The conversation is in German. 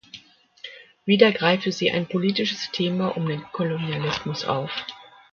Wieder greife sie ein politisches Thema um den Kolonialismus auf.